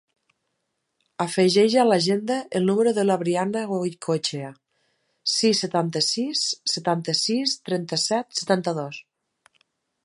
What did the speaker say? Afegeix a l'agenda el número de la Brianna Goicoechea: sis, setanta-sis, setanta-sis, trenta-set, setanta-dos.